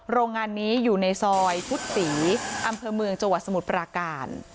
โรงงานนี้อยู่ในซอยพุทธศรีอำเภอเมืองจังหวัดสมุทรปราการ